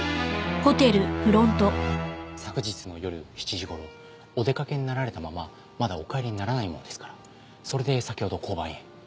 昨日の夜７時頃お出かけになられたまままだお帰りにならないものですからそれで先ほど交番へ。